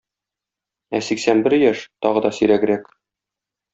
Ә сиксән бер яшь - тагы да сирәгрәк.